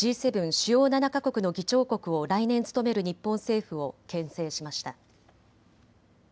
主要７か国の議長国を来年務める日本政府をけん制しました。